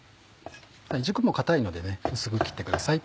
軸も硬いので薄く切ってください。